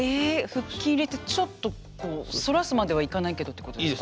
腹筋入れてちょっとこう反らすまではいかないけどってことですか。